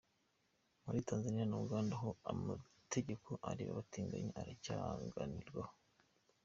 Muri Tanzania na Uganda ho amategeko areba abatinganyi aracyaganirwaho.